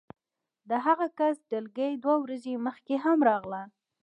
د هغه کس ډلګۍ دوه ورځې مخکې هم راغله